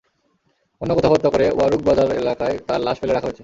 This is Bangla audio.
অন্য কোথাও হত্যা করে ওয়ারুক বাজার এলাকায় তাঁর লাশ ফেলে রাখা হয়েছে।